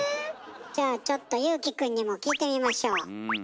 じゃあちょっと祐貴くんにも聞いてみましょう。